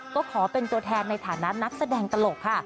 ก็ขอเป็นตัวแทนในฐานะนักแสดงตลกค่ะ